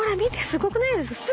すごくないです？